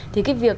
thì cái việc